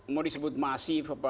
mau disebut masif apa